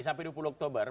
sampai dua puluh oktober